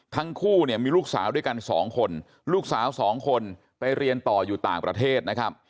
ทั้งคู่เนี่ยมีลูกสาวด้วยกันสองคนลูกสาวสองคนไปเรียนต่ออยู่ต่างประเทศนะครับ